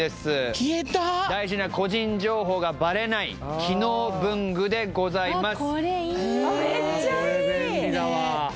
消えた大事な個人情報がバレない機能文具でございます